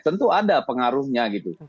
tentu ada pengaruhnya gitu